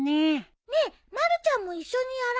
ねえまるちゃんも一緒にやらない？